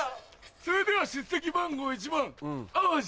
それでは出席番号１番淡路。